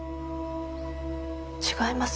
違います